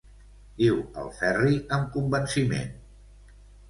Diu el Ferri amb convenciment–.